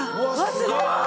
すごーい！